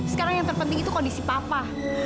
sekarang yang terpenting itu kondisi papa